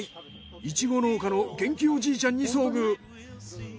イチゴ農家の元気おじいちゃんに遭遇。